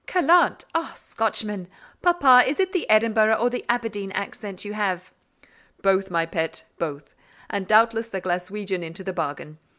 "Callant! Ah, Scotchman! Papa, is it the Edinburgh or the Aberdeen accent you have?" "Both, my pet, both: and doubtless the Glaswegian into the bargain.